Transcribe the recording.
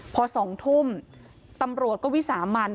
พอ๒ทุ่มตำรวจก็วิสามัน